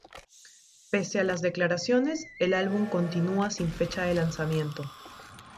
Pese a las declaraciones, el álbum continua sin fecha de lanzamiento.